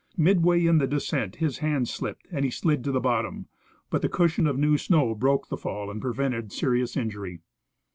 Midway in the descent his hands slipped and he slid to the bottom ; but the cushion of new snow broke the fall and prevented serious injury.